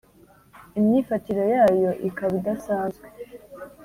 imyifatire yayo ikaba idasanzwe.